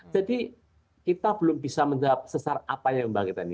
jadi kita belum bisa menjawab sesar apa yang mbak gita ini